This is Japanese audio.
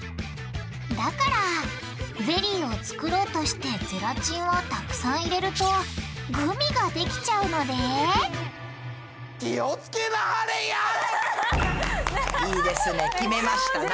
だからゼリーを作ろうとしてゼラチンをたくさん入れるとグミができちゃうのでいいですね決めましたな。